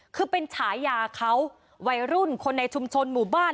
คือเป็นฉายาเขาวัยรุ่นคนในชุมชนหมู่บ้าน